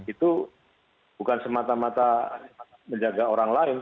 itu bukan semata mata menjaga orang lain